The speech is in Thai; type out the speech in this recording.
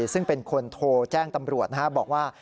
ซึ่งเป็นคนโทรแจ้งตำรวจนะครับบอกว่า